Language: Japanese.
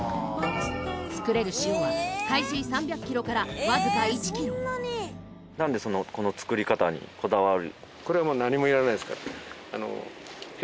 作れる塩は海水３００ｋｇから僅か１ｋｇなんでそのこの作り方にこだわる？